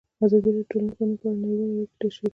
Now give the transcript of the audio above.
ازادي راډیو د ټولنیز بدلون په اړه نړیوالې اړیکې تشریح کړي.